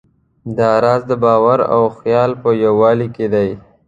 دا راز د باور او خیال په یووالي کې دی.